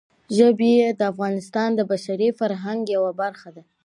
ژبې د افغانستان د بشري فرهنګ یوه برخه ده.